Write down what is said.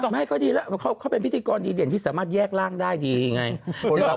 ไม่ก็ดีแล้วเขาเป็นพิธีกรดีเด่นที่สามารถแยกร่างได้ดีไง